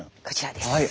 こちらです。